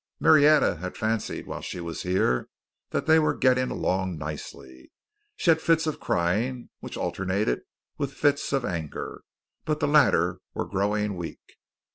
Marietta had fancied while she was here that they were getting along nicely. She had fits of crying, which alternated with fits of anger, but the latter were growing weak.